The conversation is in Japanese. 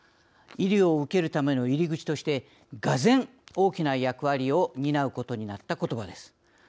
医療を受けるための入り口としてがぜん大きな役割を担うことになったことばです。